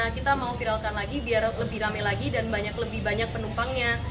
kita mau viralkan lagi biar lebih rame lagi dan lebih banyak penumpangnya